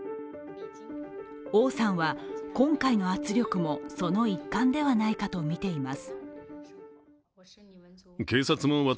王さんは、今回の圧力もその一環ではないかとみています。